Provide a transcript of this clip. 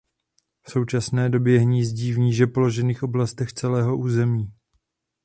V současné době hnízdí v níže položených oblastech celého území.